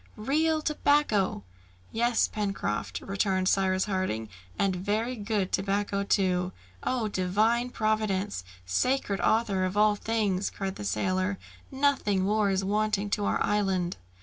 real tobacco!" "Yes, Pencroft," returned Cyrus Harding, "and very good tobacco too!" "O divine Providence! sacred Author of all things!" cried the sailor. "Nothing more is now wanting to our island."